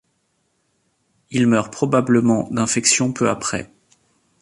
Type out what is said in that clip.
Il meurt probablement d'infection peu après.